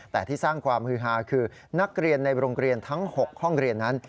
แต่ที่สร้างความฮือฮาคือนักเรียนในโรงเรียนทั้ง๖ห้องเรียนนั้น